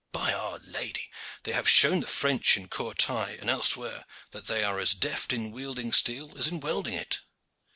By our lady! they have shown the French at Courtrai and elsewhere that they are as deft in wielding steel as in welding it."